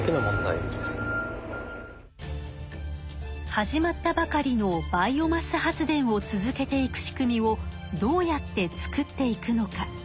始まったばかりのバイオマス発電を続けていく仕組みをどうやって作っていくのか？